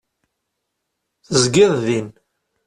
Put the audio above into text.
Tezgiḍ din.